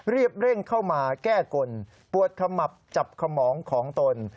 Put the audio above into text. รีบเร่งเข้ามาแก้กลปวดขมับจับสมองของตน